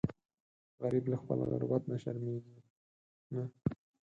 غریب له خپل غربت نه شرمیږي نه